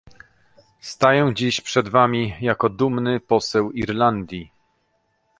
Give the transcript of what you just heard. Staję dziś przed wami jako dumny poseł z Irlandii